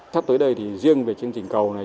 sắp tới đây thì riêng về chương trình cầu này